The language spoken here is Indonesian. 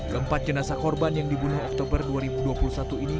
keempat jenazah korban yang dibunuh oktober dua ribu dua puluh satu ini